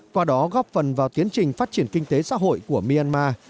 qua đó góp phần vào tiến trình phát triển kinh tế xã hội của myanmar